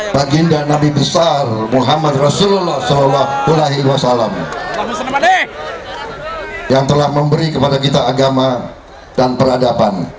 baginda nabi besar muhammad rasulullah saw yang telah memberi kepada kita agama dan peradaban